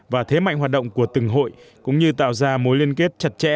và thế mạnh hoạt động của từng hội cũng như tạo ra mối liên kết chặt chẽ